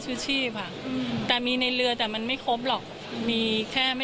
พูดสิทธิ์ข่าวธรรมดาทีวีรายงานสดจากโรงพยาบาลพระนครศรีอยุธยาครับ